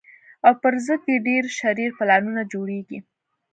او پر ضد یې ډېر شرير پلانونه جوړېږي